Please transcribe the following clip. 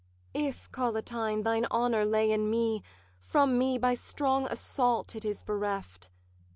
'If, Collatine, thine honour lay in me, From me by strong assault it is bereft.